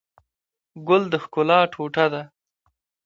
ګل د ښکلا ټوټه ده.